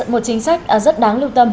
một chính sách rất đáng lưu tâm